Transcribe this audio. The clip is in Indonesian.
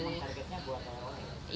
maksudnya targetnya buat oleh oleh